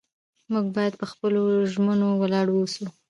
موږ باید په خپلو ژمنو ولاړ واوسو